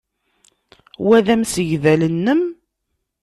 Wa d amsegdal-nnem?